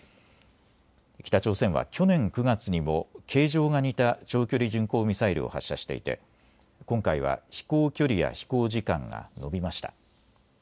北朝鮮は去年９月にも形状が似た長距離巡航ミサイルを発射していて今回は飛行距離や飛行時間が伸びました。